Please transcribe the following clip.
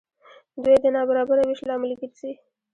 دوی د نابرابره وېش لامل ګرځي.